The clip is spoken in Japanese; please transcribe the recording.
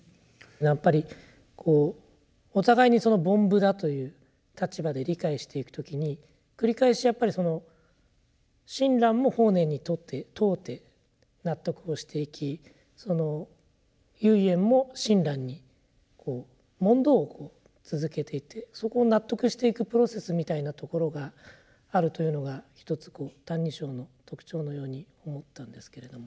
やっぱりこうお互いに「凡夫」だという立場で理解していく時に繰り返しやっぱりその親鸞も法然に問うて納得をしていきその唯円も親鸞に問答を続けていってそこを納得していくプロセスみたいなところがあるというのがひとつ「歎異抄」の特徴のように思ったんですけれども。